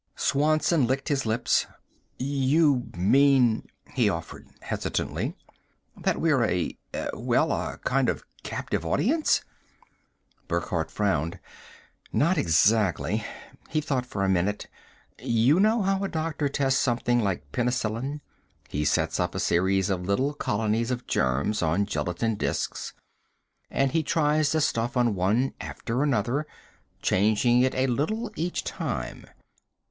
Swanson licked his lips. "You mean," he offered hesitantly, "that we're a well, a kind of captive audience?" Burckhardt frowned. "Not exactly." He thought for a minute. "You know how a doctor tests something like penicillin? He sets up a series of little colonies of germs on gelatine disks and he tries the stuff on one after another, changing it a little each time.